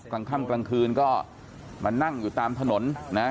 กลางค่ำกลางคืนก็มานั่งอยู่ตามถนนนะ